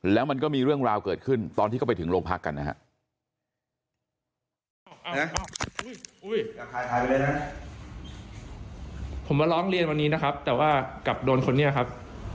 แล้วมันก็มีเรื่องราวเกิดขึ้นตอนที่ก็ไปถึงโรงพักกันนะครับ